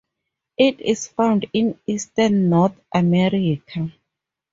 It is found in eastern North America.